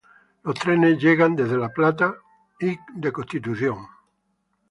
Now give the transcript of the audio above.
Los trenes llegaban desde La Plata y de Constitución.